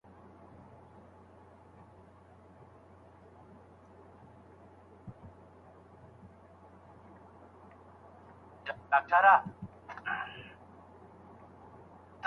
که استاد په املا کي له شعرونو ګټه واخلي.